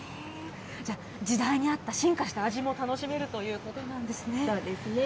じゃあ時代に合った、進化した味も楽しめるということなんでそうですね。